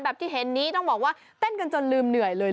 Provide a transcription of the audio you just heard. ที่เห็นนี้ต้องบอกว่าเต้นกันจนลืมเหนื่อยเลย